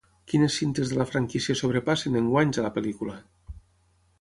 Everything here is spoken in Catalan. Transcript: Quines cintes de la franquícia sobrepassen en guanys a la pel·lícula?